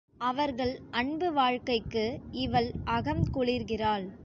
அவர்கள் அன்பு வாழ்க்கைக்கு இவள் அகம் குளிர்கிறாள்.